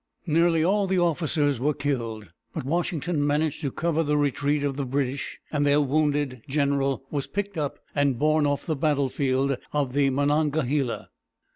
Nearly all the officers were killed, but Washington managed to cover the retreat of the British, and their wounded general was picked up and borne off the battlefield of the Mo non ga he´la.